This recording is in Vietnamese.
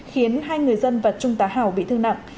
khiến hai người dân và trung tá hào bị thương nặng